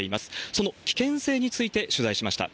その危険性について取材しました。